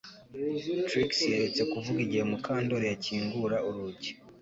Trix yaretse kuvuga igihe Mukandoli yakingura urugi